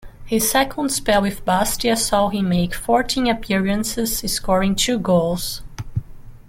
His second spell with Bastia saw him make fourteen appearances, scoring two goals.